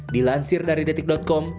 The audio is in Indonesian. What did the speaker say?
dilansir dari detik com